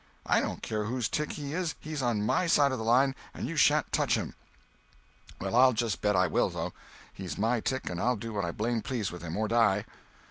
"I don't care whose tick he is—he's on my side of the line, and you sha'n't touch him." "Well, I'll just bet I will, though. He's my tick and I'll do what I blame please with him, or die!"